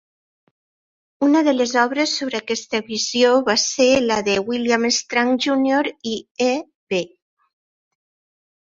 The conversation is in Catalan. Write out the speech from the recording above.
Una de les obres sobre aquesta visió va ser la de William Strunk, Junior i E. B.